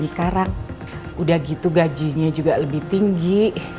sekarang udah gitu gajinya juga lebih tinggi